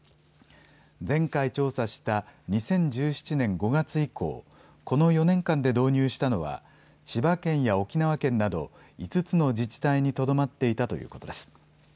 前回調査した２０１７年５月以降、この４年間で導入したのは、千葉県や沖縄県など、５つの自治体にとどまっていたということです。